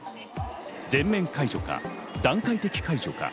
全面解除か、段階的解除か。